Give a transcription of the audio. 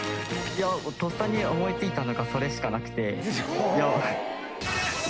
とっさに思い付いたのがそれしかなくて。